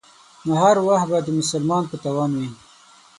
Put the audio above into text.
نو هر وخت به د مسلمان په تاوان وي.